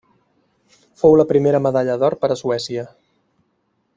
Fou la primera medalla d'or per a Suècia.